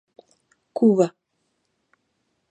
Cuba.